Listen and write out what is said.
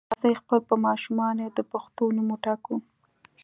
راځئ خپل په ماشومانو د پښتو نوم وټاکو.